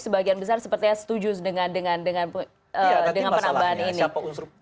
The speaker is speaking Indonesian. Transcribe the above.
sepertinya setuju dengan penambahan ini